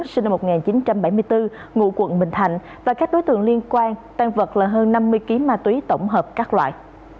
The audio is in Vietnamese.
sinh năm một nghìn chín trăm bảy mươi bốn ngụ quận bình thạnh và các đối tượng liên quan tăng vật là hơn năm mươi kg ma túy tổng hợp các loại